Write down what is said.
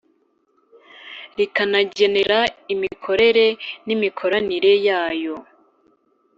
rikanagena imikorere n imikoranire yayo